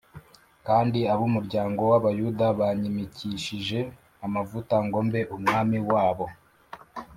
kandi ab’umuryango w’Abayuda banyimikishije amavuta ngo mbe umwami wabo